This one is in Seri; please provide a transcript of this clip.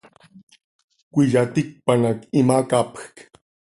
Cöiyaticpan hac imacapjc.